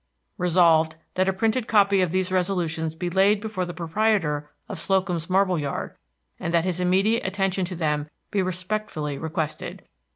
Resolved, That a printed copy of these Resolutions be laid before the Proprietor of Slocum's Marble Yard, and that his immediate attention to them be respectfully requested.